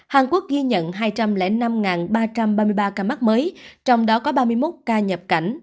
hàn quốc ghi nhận hai trăm linh năm ba trăm ba mươi ba ca mắc mới trong đó có ba mươi một ca nhập cảnh